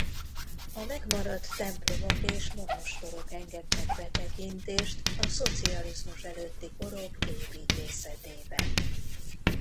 A megmaradt templomok és monostorok engednek betekintést a szocializmus előtti korok építészetébe.